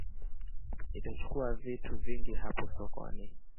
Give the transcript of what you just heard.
Nitachukua vitu vingi hapo sokoni